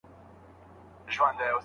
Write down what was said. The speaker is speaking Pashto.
که ملازم وي نو مکتب نه چتلیږي.